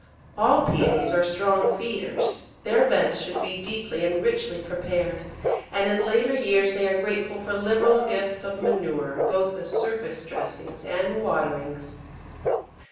All Pæonies are strong feeders. Their beds should be deeply and richly prepared, and in later years they are grateful for liberal gifts of manure, both as surface dressings and waterings.